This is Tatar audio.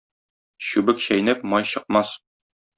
Чүбек чәйнәп май чыкмас.